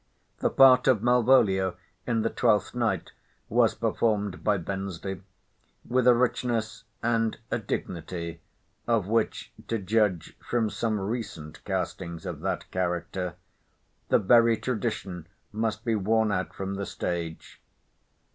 The part of Malvolio, in the Twelfth Night, was performed by Bensley, with a richness and a dignity, of which (to judge from some recent castings of that character) the very tradition must be worn out from the stage.